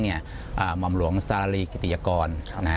หม่อมหลวงสารีกิติยกร